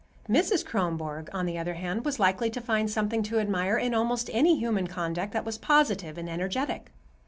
Mrs. Kronborg, on the other hand, was likely to find something to admire in almost any human conduct that was positive and energetic.